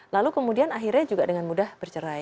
lalu kemudian akhirnya juga dengan mudah bercerai